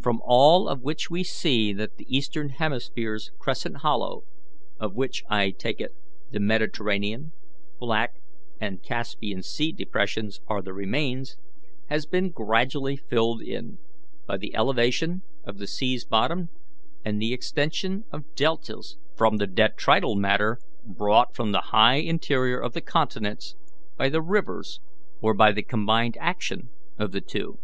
From all of which we see that the Eastern hemisphere's crescent hollow of which, I take it, the Mediterranean, Black, and Caspian Sea depressions are the remains has been gradually filled in, by the elevation of the sea's bottom, and the extension of deltas from the detrital matter brought from the high interior of the continents by the rivers, or by the combined action of the two.